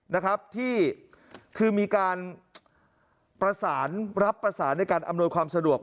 นะครับที่คือมีการประสานรับประสานในการอำนวยความสะดวก